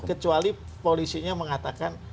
kecuali polisinya mengatakan